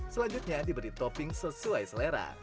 selanjutnya diberi topping sesuai selera